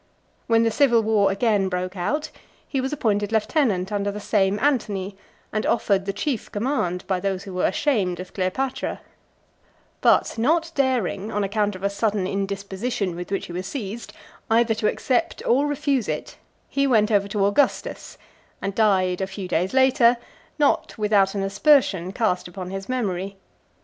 When the civil war again broke out, he was appointed lieutenant under the same Antony, and offered the chief command by those who were ashamed of Cleopatra; but not daring, on account of a sudden indisposition with which he was seized, either to accept or refuse it, he went over to Augustus , and died a few days after, not without an aspersion cast upon his memory.